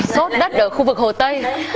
sốt đất ở khu vực hồ tây